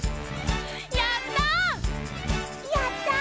やった！